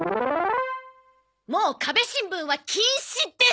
もう壁新聞は禁止です！